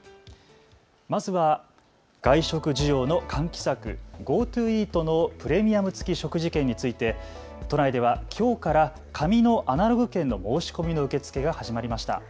まずは外食需要の喚起策ＧｏＴｏイートのプレミアム付き食事券について都内では、きょうから紙のアナログ券の申し込みの受け付けが始まりました。